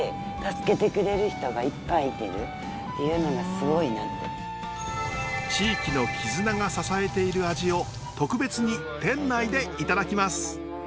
そうやって地域の絆が支えている味を特別に店内でいただきます。